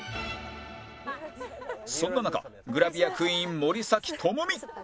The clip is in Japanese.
そんな中グラビアクイーン森咲智美